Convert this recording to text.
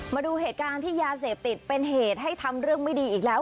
มาดูเหตุการณ์ที่ยาเสพติดเป็นเหตุให้ทำเรื่องไม่ดีอีกแล้ว